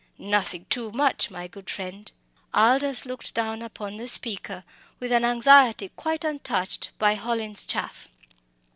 'Nothing too much,' my good friend!" Aldous looked down upon the speaker with an anxiety quite untouched by Hallin's "chaff."